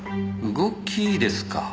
動きですか？